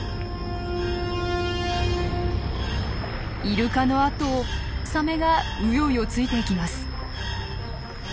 イルカのあとをサメがウヨウヨついていきます。